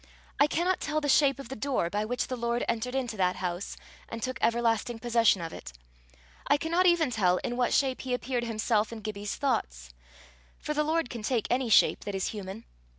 I cannot tell the shape of the door by which the Lord entered into that house, and took everlasting possession of it. I cannot even tell in what shape he appeared himself in Gibbie's thoughts for the Lord can take any shape that is human.